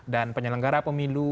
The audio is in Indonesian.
dan penyelenggara pemilu